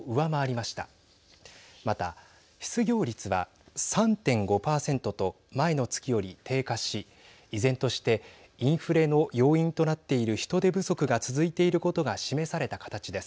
また、失業率は３．５％と前の月より低下し依然としてインフレの要因となっている人手不足が続いていることが示された形です。